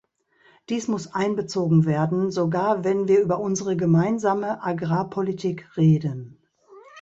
Dies muss einbezogen werden, sogar wenn wir über unsere Gemeinsame Agrarpolitik reden.